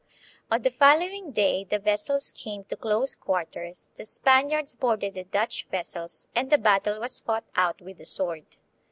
On the following day the vessels came to close quarters, the Spaniards boarded the Dutch vessels, and the battle was fought out with the sword.